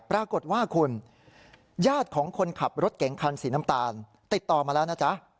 ปรากฏว่าคุณญาติของคนขับรถเก๋งคันสีน้ำตาลติดต่อมาแล้วนะจ๊ะ